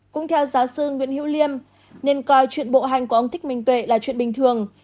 cũng theo giáo sư nguyễn hữu liêm nên coi chuyện bộ hành của ông thích minh tuệ là chuyện bình thường